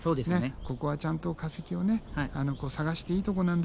ここはちゃんと化石を探していいとこなんですよ